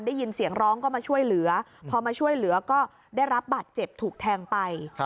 ได้ยินเสียงร้องก็มาช่วยเหลือพอมาช่วยเหลือก็ได้รับบาดเจ็บถูกแทงไป